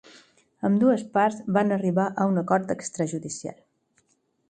Ambdues parts van arribar a un acord extrajudicial.